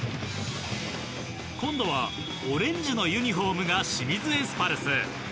今度はオレンジのユニホームが清水エスパルス。